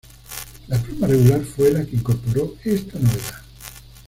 La pluma Regular fue la que incorporó esta novedad.